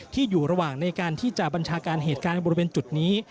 อยู่ระหว่างในการที่จะบัญชาการเหตุการณ์บริเวณจุดนี้